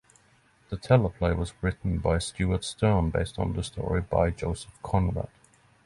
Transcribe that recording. The teleplay was written by Stewart Stern based on the story by Joseph Conrad.